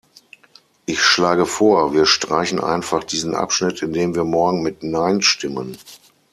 Ich schlage vor, wir streichen einfach diesen Abschnitt, indem wir morgen mit Nein stimmen.